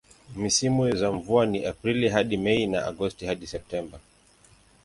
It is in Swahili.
Misimu za mvua ni Aprili hadi Mei na Agosti hadi Septemba.